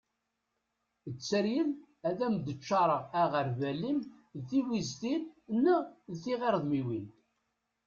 tteryel ad am-d-ččareγ aγerbal-im d tiwiztin neγ tiγredmiwin